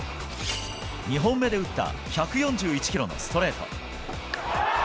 ２本目で打った１４１キロのストレート。